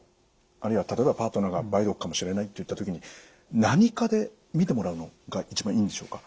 あるいは例えばパートナーが梅毒かもしれないっていった時に何科で診てもらうのが一番いいんでしょうか？